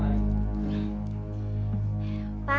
ya udah pak